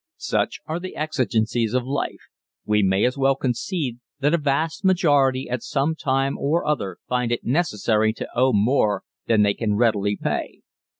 Such are the exigencies of life, we may as well concede that a vast majority at some time or other find it necessary to owe more than they can readily pay.